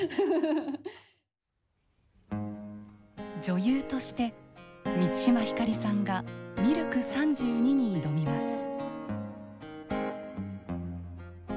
女優として満島ひかりさんが「ミルク３２」に挑みます。